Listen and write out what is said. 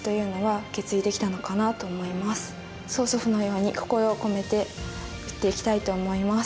曽祖父のように心を込めて打っていきたいと思います。